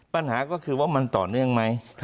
ปัญหาก็คือว่ามันต่อเนื่องไหม